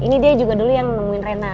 ini dia juga dulu yang nemuin rena